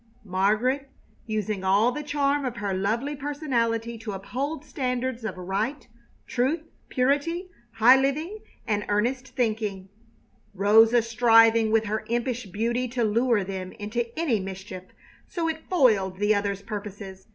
Margaret, using all the charm of her lovely personality to uphold standards of right, truth, purity, high living, and earnest thinking; Rosa striving with her impish beauty to lure them into any mischief so it foiled the other's purposes.